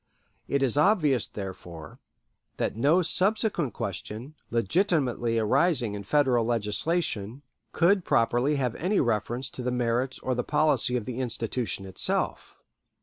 It is obvious, therefore, that no subsequent question, legitimately arising in Federal legislation, could properly have any reference to the merits or the policy of the institution itself.